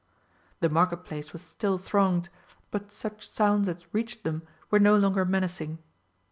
The market place was still thronged, but such sounds as reached them were no longer menacing.